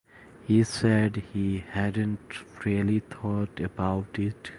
He said he hadn't really thought about it.